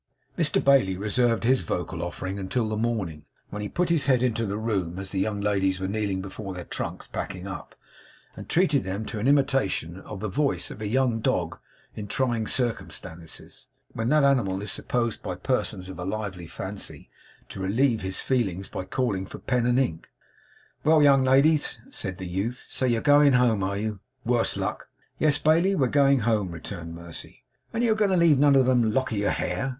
Mr Bailey reserved his vocal offering until the morning, when he put his head into the room as the young ladies were kneeling before their trunks, packing up, and treated them to an imitation of the voice of a young dog in trying circumstances; when that animal is supposed by persons of a lively fancy, to relieve his feelings by calling for pen and ink. 'Well, young ladies,' said the youth, 'so you're a going home, are you, worse luck?' 'Yes, Bailey, we're going home,' returned Mercy. 'An't you a going to leave none of 'em a lock of your hair?